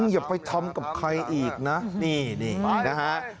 อย่าไปทำกับใครอีกนะนี่นะฮะ